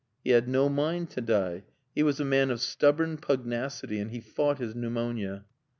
He had no mind to die: he was a man of stubborn pugnacity and he fought his pneumonia.